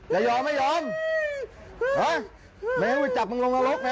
จะยอมไม่ยอมแม้วิจักรมึงลงระรกนะ